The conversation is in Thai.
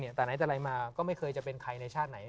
แต่ไหนแต่ไรมาก็ไม่เคยจะเป็นใครในชาติไหน